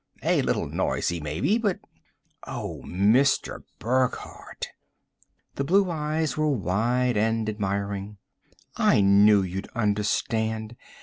A little noisy, maybe, but " "Oh, Mr. Burckhardt!" The blue eyes were wide and admiring. "I knew you'd understand.